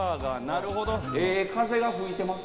なるほど。